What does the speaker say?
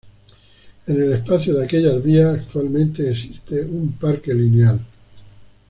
En el espacio de aquellas vías, actualmente existe un parque lineal.